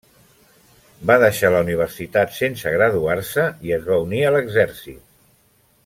Va deixar la universitat sense graduar-se i es va unir l'Exèrcit.